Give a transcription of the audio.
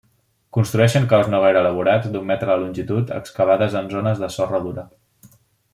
Construeixen caus no gaire elaborats, d'un metre de longitud, excavades en zones de sorra dura.